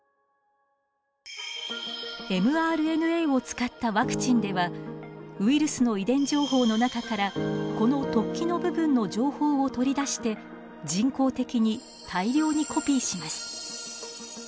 ｍＲＮＡを使ったワクチンではウイルスの遺伝情報の中からこの突起の部分の情報を取り出して人工的に大量にコピーします。